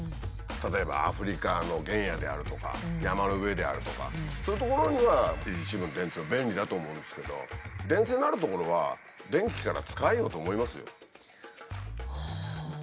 例えばアフリカの原野であるとか山の上であるとかそういう所にはリチウムイオン電池は便利だと思うんですけど電線のある所は電気から使えよと思いますよ。